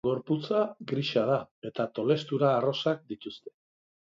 Gorputza grisa da, eta tolestura arrosak dituzte.